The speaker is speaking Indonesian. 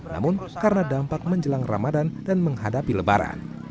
namun karena dampak menjelang ramadan dan menghadapi lebaran